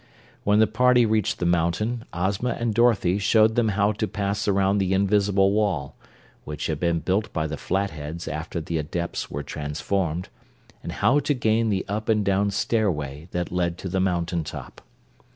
When the party reached the mountain Ozma and Dorothy showed them how to pass around the invisible wall which had been built by the Flatheads after the Adepts were transformed and how to gain the up and down stairway that led to the mountain top.